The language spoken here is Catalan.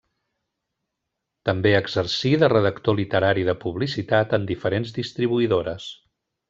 També exercí de redactor literari de publicitat en diferents distribuïdores.